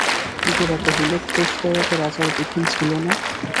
গোরা কহিল, ঘুষ দেওয়া তো রাজার বিধান ছিল না।